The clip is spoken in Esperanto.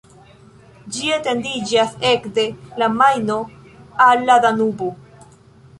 Ĝi etendiĝas ekde la Majno al la Danubo.